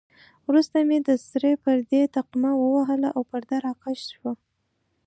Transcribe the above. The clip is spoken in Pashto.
وروسته مې د سرې پردې تقمه ووهل او پرده را کش شوه.